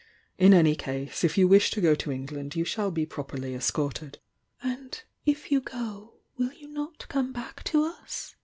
In any case, if you wish to go to England, you shall be properly escorted." "And if you go, will you not come back to us?"